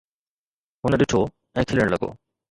هن ڏٺو ۽ کلڻ لڳو.